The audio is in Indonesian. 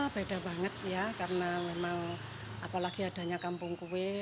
beda banget ya karena memang apalagi adanya kampung kue